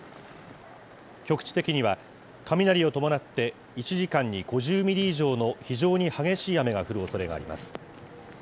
局地的には、雷を伴って、１時間に５０ミリ以上の非常に激しい雨が降るおそれがあります。